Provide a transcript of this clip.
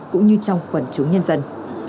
cũng như trong quần chúng nhân dân